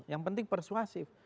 yang penting persuasif